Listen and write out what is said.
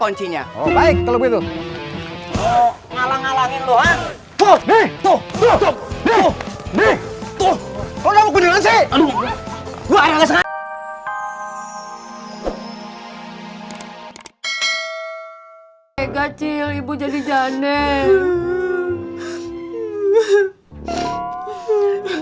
istrinya baik kalau gitu ngalah ngalahin lu ha toh tuh tuh tuh tuh tuh tuh tuh tuh tuh tuh